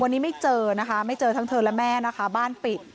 วันนี้ไม่เจอนะคะไม่เจอทั้งเธอและแม่นะคะบ้านปิด